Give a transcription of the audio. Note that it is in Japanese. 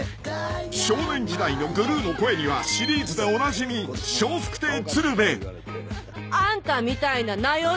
［少年時代のグルーの声にはシリーズでおなじみ］あんたみたいななよ